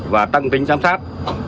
và tăng tính giám sát